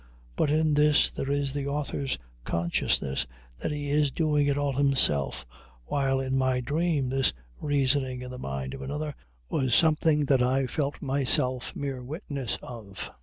But in this there is the author's consciousness that he is doing it all himself, while in my dream this reasoning in the mind of another was something that I felt myself mere witness of.